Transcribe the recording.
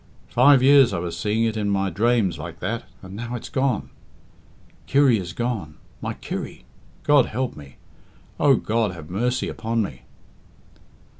Five years I was seeing it in my drames like that, and now it's gone. Kirry is gone! My Kirry! God help me! O God, have mercy upon me!"